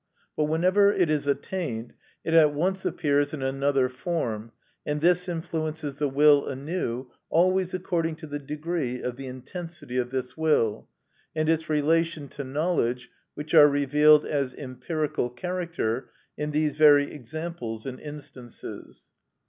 But whenever it is attained it at once appears in another form, and thus influences the will anew, always according to the degree of the intensity of this will, and its relation to knowledge which are revealed as empirical character, in these very examples and instances.